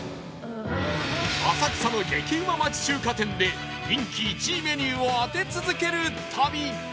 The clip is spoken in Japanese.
浅草の激うま町中華店で人気１位メニューを当て続ける旅